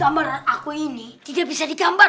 gambar aku ini tidak bisa digambar